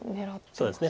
そうですね。